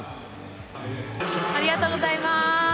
ありがとうございます。